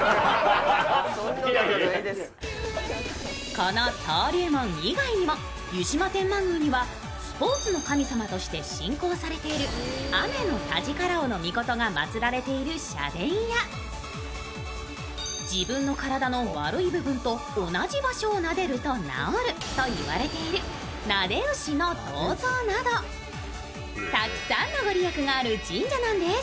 この登竜門以外にも湯島天満宮にはスポーツの神様として信仰されているアメノタヂカラオノミコトが祭られている社殿や自分の体の悪い部分と同じ場所をなでると治ると言われている、撫で牛の銅像など、たくさんの御利益がある神社なんです。